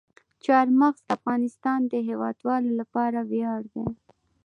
چار مغز د افغانستان د هیوادوالو لپاره ویاړ دی.